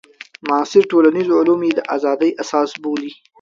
معاصر ټولنیز علوم یې د ازادۍ اساس بولي.